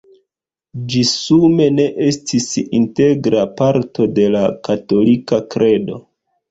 Ĝi sume ne estis "integra parto de la katolika kredo".